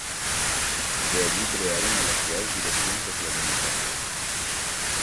De allí crearon el actual Dirección-Socialdemocracia